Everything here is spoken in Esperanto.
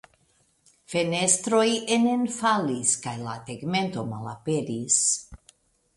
Fenestroj enenfalis kaj la tegmento malaperis.